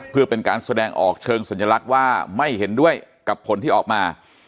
เพื่อเป็นการแสดงออกเชิงสัญลักษณ์ว่าไม่เห็นด้วยกับผลที่ออกมา